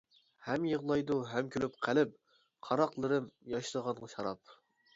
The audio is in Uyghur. ھەم يىغلايدۇ ھەم كۈلۈپ قەلب، قاراقلىرىم ياشلىغان شاراب.